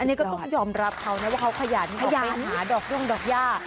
อันนี้ก็ต้องยอมรับเขานะว่าเขาขยันขยันหาดอกย่งดอกย่า